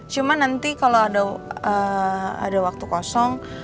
cuma nanti kalau ada waktu kosong